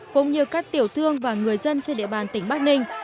cũng như các tiểu thương và người dân trên địa bàn tỉnh bắc ninh